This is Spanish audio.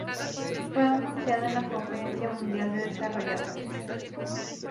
Fue anunciado en la Conferencia Mundial de Desarrolladores.